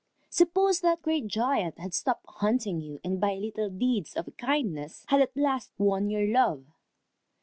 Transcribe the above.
Suppose that great giant had stopped hunting you and by little deeds of kindness had at last won your love.